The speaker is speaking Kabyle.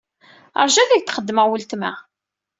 Ṛju ad ak-d-qeddmeɣ weltma.